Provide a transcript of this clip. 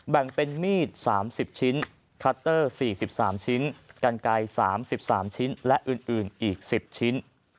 แบ่งเป็นมีด๓๐ชิ้นคัตเตอร์๔๓ชิ้นกันไกล๓๓ชิ้นและอื่นอีก๑๐ชิ้น